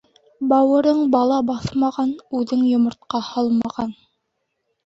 Бауырың бала баҫмаған, үҙең йомортҡа һалмаған.